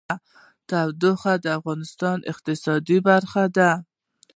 تودوخه د افغانستان د اقتصاد برخه ده.